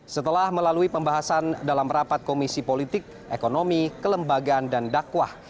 setelah melalui pembahasan dalam rapat komisi politik ekonomi kelembagaan dan dakwah